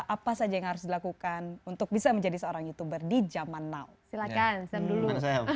apa saja yang harus dilakukan untuk bisa menjadi seorang youtuber di zaman now silahkan dulu